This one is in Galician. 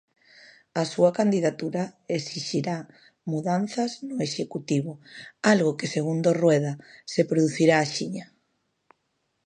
A súa candidatura exixirá mudanzas no executivo, algo que segundo Rueda se producirá axiña.